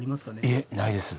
いえないです。